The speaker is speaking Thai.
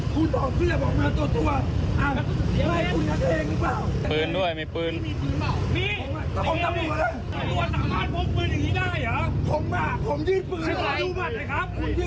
ก็คิดเรื่องว่าผมไม่จะเล็งอำนวยงจะบุกษมิตรแหละนะเฮ้ย